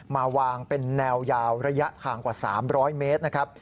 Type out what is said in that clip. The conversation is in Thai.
มาวางเป็นแนวยาวระยะทางกว่า๓๐๐เมตรนะครับ